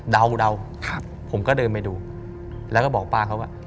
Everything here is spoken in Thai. เดาผมก็เดินไปดูแล้วก็บอกป้าเขาว่า